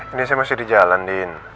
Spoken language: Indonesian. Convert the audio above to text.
ini saya masih di jalan din